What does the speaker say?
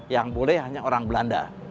yang boleh hanya orang belanda